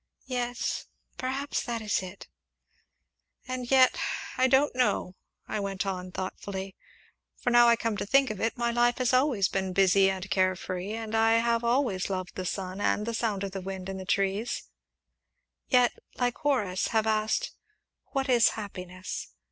"Yes, perhaps that is it." "And yet I don't know," I went on thoughtfully, "for now I come to think of it, my life has always been busy and care free, and I have always loved the sun and the sound of wind in trees yet, like Horace, have asked 'What is Happiness?'